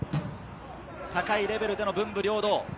高いレベルでの文武両道。